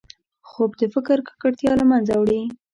خوب د فکر ککړتیا له منځه وړي